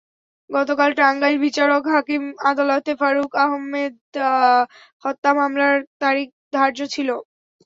গতকাল টাঙ্গাইল বিচারিক হাকিম আদালতে ফারুক আহমেদ হত্যা মামলার তারিখ ধার্য ছিল।